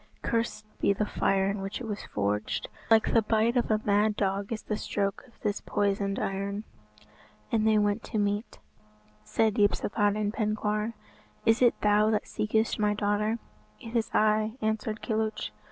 Cursed be the fire in which it was forged. Like the bite of a mad dog is the stroke of this poisoned iron." And they went to meat. Said Yspathaden Penkawr, "Is it thou that seekest my daughter?" "It is I," answered Kilhuch.